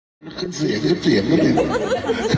กลับขึ้นเสียงแล้วเสียงมันเจ๋ง